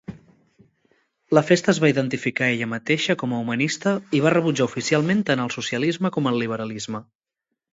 La festa es va identificar ella mateixa com a humanista i va rebutjar oficialment tant el socialisme com el liberalisme.